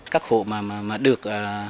các hộ mà được